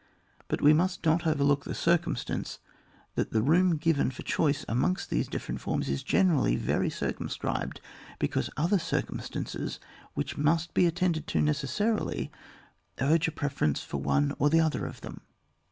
But we must not overlook the circumstance that the room given for choice amongst these different forms is generally very circum scribed, because other circumstances which must be attended to necesarily urge a preference for one or other of them.